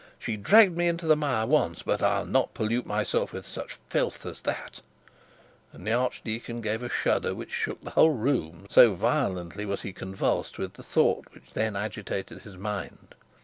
She dragged me into the mire once, but I'll not pollute myself with such filth as that ' And the archdeacon gave a shudder which shook the whole room, so violently was he convulsed with the thought which then agitated his mind.